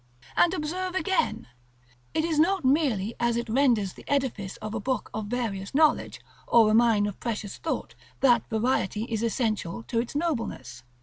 And, observe again, it is not merely as it renders the edifice a book of various knowledge, or a mine of precious thought, that variety is essential to its nobleness.